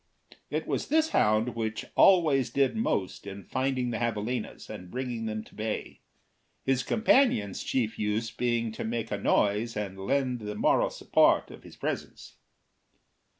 It was this hound which always did most in finding the javalinas and bringing them to bay, his companion's chief use being to make a noise and lend the moral support of his presence.